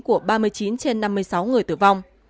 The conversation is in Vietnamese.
của ba mươi chín trên năm mươi sáu người tử vong